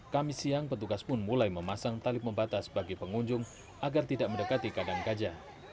kami siang petugas pun mulai memasang talip membatas bagi pengunjung agar tidak mendekati keadaan gajah